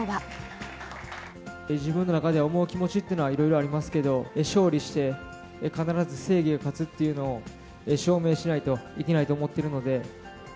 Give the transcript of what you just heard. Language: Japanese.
自分の中では、思う気持ちっていうのはいろいろありますけど、勝利して、必ず正義が勝つというのを証明しないといけないと思ってるので。